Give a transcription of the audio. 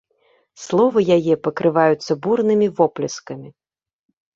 Словы яе пакрываюцца бурнымі воплескамі.